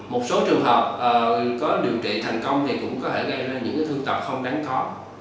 một số trường hợp có điều trị thành công thì cũng có thể gây ra những thương tật không đáng có